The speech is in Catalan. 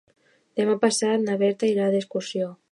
Demà passat na Berta irà d'excursió.